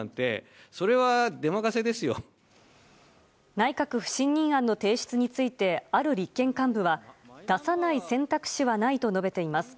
内閣不信任案の提出についてある立憲幹部は出さない選択肢はないと述べています。